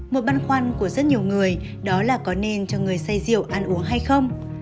một băn khoăn của rất nhiều người đó là có nên cho người say rượu ăn uống hay không